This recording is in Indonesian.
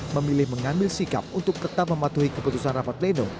memilih mengambil sikap untuk tetap mematuhi keputusan rapat pleno